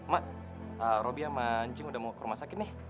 mak roby sama anjing udah mau ke rumah sakit nih